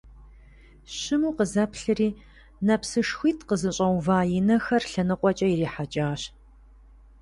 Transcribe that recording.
Щыму къызэплъри, нэпсышхуитӀ къызыщӀэува и нэхэр лъэныкъуэкӀэ ирихьэкӀащ.